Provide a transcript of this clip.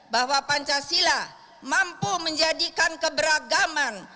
bahwa pancasila mampu menjadikan keberagaman